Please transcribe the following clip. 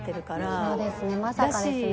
そうですねまさかですね。